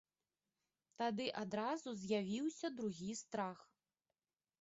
Тады адразу з'явіўся другі страх.